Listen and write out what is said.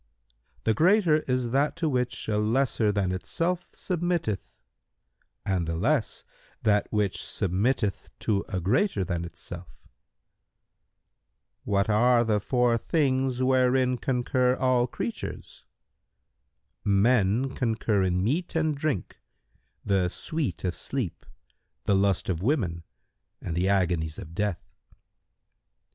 "— "The greater is that to which a lesser than itself submitteth and the less that which submitteth to a greater than itself." Q "What are the four things wherein concur all creatures?"—"Men concur in meat and drink, the sweet of sleep, the lust of women and the agonies of death."